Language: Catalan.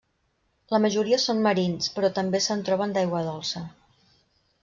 La majoria són marins, però també se'n troben d'aigua dolça.